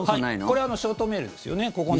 これショートメールですよね。